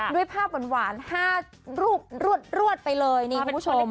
ด้วยภาพหวาน๕รูปรวดไปเลยนี่คุณผู้ชม